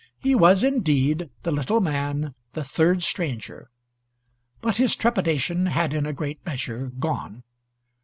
He was, indeed, the little man, the third stranger, but his trepidation had in a great measure gone.